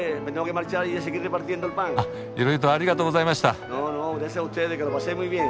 あっいろいろとありがとうございました。